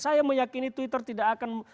saya meyakini twitter tidak akan menerima akun